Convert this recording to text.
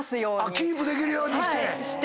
キープできるようにして。